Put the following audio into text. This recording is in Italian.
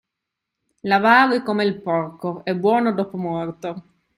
L'avaro è come il porco, è buono dopo morto.